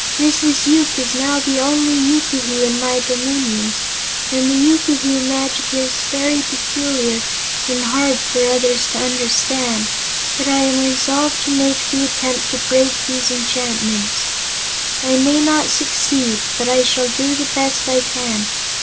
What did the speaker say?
"Mrs. Yoop is now the only yookoohoo in my dominions, and the yookoohoo magic is very peculiar and hard for others to understand, yet I am resolved to make the attempt to break these enchantments. I may not succeed, but I shall do the best I can.